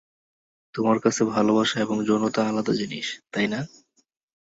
তোমার কাছে ভালোবাসা এবং যৌনতা আলাদা জিনিস, তাই না?